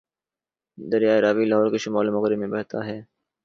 دریائے راوی لاہور کے شمال مغرب میں بہتا ہے